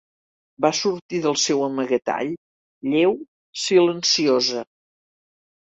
Va sortir del seu amagatall, lleu, silenciosa